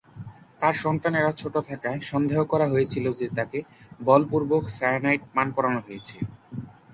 তার সন্তানেরা ছোট থাকায়, সন্দেহ করা হয়েছিল যে, তাকে বলপূর্বক সায়ানাইড পান করানো হয়েছে।